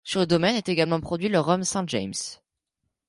Sur le domaine est également produit le rhum Saint-James.